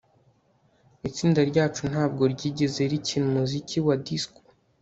Itsinda ryacu ntabwo ryigeze rikina umuziki wa disco